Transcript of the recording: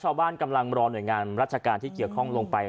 ชาวบ้านกำลังรอหน่วยงานรัชการที่เกียรติคล่องลงไป